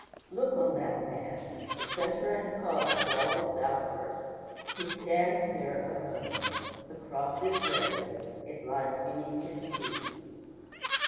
Look on that man the centre and cause of all this outburst! He stands there alone. The cross is ready. It lies beneath his feet.